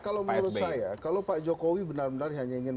kalau menurut saya kalau pak jokowi benar benar hanya ingin